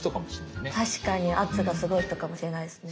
確かに圧がすごい人かもしれないですね。